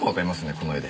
この絵で。